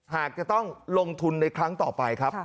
หากจะต้องลงทุนในครั้งต่อไปครับ